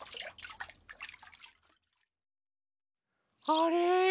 あれ？